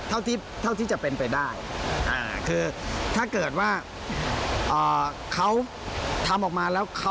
เท่าที่จะเป็นไปได้คือถ้าเกิดว่าเขาทำออกมาแล้ว